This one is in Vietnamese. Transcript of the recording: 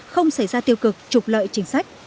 không xảy ra tiêu cực trục lợi chính sách